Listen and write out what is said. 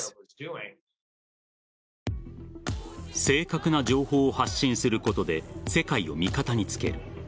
正確な情報を発信することで世界を味方につける。